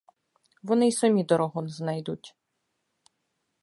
Вони й самі дорогу знайдуть.